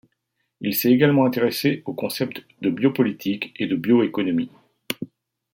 Il s'est également intéressé aux concepts de biopolitique et de bioéconomie.